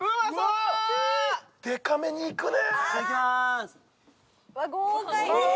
でかめにいくね。